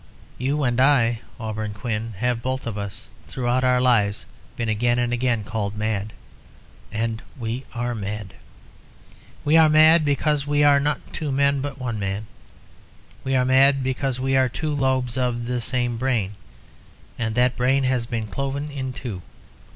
You and I, Auberon Quin, have both of us throughout our lives been again and again called mad. And we are mad. We are mad, because we are not two men, but one man. We are mad, because we are two lobes of the same brain, and that brain has been cloven in two.